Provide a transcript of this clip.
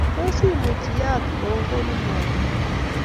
Tos imuch iyat kou konunot ii ?